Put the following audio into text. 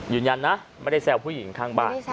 ยืนยันนะไม่ได้แซวผู้หญิงข้างบ้าน